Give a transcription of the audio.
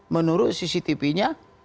menurut cctv nya